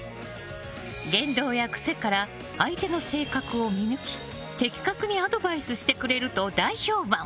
言動や癖から相手の性格を見抜き的確にアドバイスしてくれると大評判！